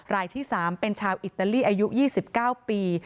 รายที่๓เป็นชาวอิตาลีอายุ๒๙ปี